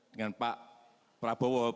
dengan pak prabowo